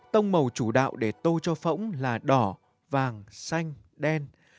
tông màu chủ đạo để tô cho phẫu là đỏ vàng xanh đen